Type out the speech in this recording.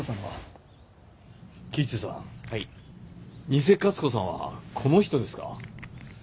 偽勝子さんはこの人ですか？